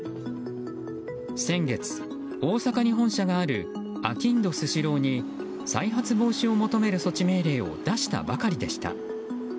先月、大阪に本社があるあきんどスシローに再発防止を求める措置命令を出したばかりでした。